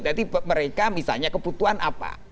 jadi mereka misalnya kebutuhan apa